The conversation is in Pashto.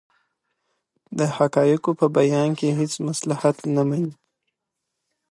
دی د حقایقو په بیان کې هیڅ مصلحت نه مني.